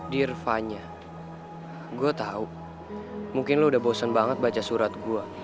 dear vanya gue tau mungkin lo udah bosen banget baca surat gue